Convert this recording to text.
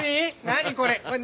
何これ。